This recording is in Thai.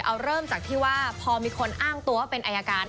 เอาเริ่มจากที่ว่าพอมีคนอ้างตัวว่าเป็นอายการ